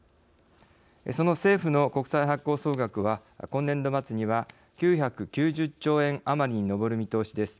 その政府の国債発行総額は今年度末には９９０兆円余りに上る見通しです。